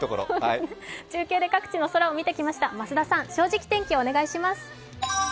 中継で各地の空を見てきました、増田さん、「正直天気」をお願いします。